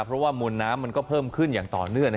เพราะว่ามวลน้ำมันก็เพิ่มขึ้นอย่างต่อเนื่อง